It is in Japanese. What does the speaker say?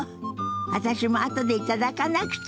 私も後で頂かなくちゃ。